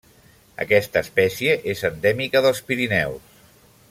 Aquesta espècie és endèmica dels Pirineus.